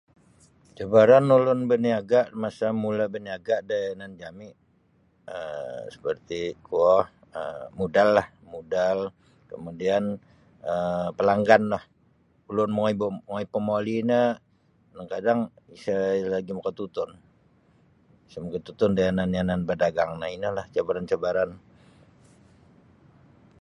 Cabaran ulun baniaga masa mula baniaga da yanan jami um sperti kuo um modallah modal kemudian pelangganlah ulun mongoi babali' kadang-kadang isa lagi makatutun isa maktutun da yanan badagang no inolah cabaran-cabaran.